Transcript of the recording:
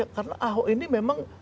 karena ahok ini memang